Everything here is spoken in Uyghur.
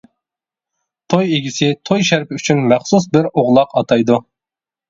توي ئىگىسى توي شەرىپى ئۈچۈن مەخسۇس بىر ئوغلاق ئاتايدۇ.